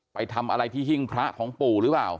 ไปทำอะไรที่หิ้งพระของปู่หรือเปล่า